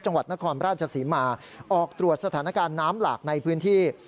จังหวัดนครราชศรีมาออกตรวจสถานการณ์น้ำหลากในพื้นที่